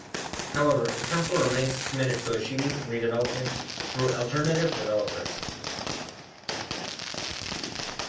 However, the council remains committed to achieving the redevelopment through alternative developers.